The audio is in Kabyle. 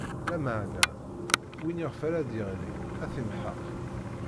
Lameɛna win iɣef ara d-iɣli, ad t-imḥeq.